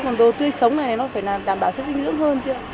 còn đồ tươi sống này thì nó phải là đảm bảo sức dinh dưỡng hơn chứ